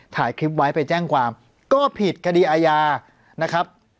ถ่ายคลิปไว้ไปแจ้งความก็ผิดคดีอาญานะครับ